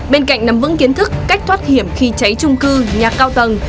bên cạnh nắm vững kiến thức cách thoát hiểm khi cháy trung cư nhà cao tầng